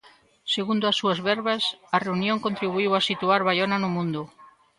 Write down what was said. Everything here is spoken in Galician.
Segundo as súas verbas, a reunión contribuíu a situar Baiona no mundo.